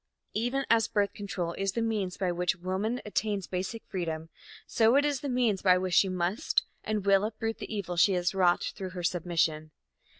Even as birth control is the means by which woman attains basic freedom, so it is the means by which she must and will uproot the evil she has wrought through her submission.